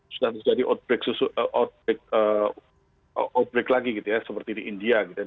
sudah terjadi outbreak lagi gitu ya seperti di india gitu ya